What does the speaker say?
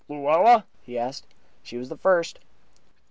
"Luella?" he asked. "She was the first."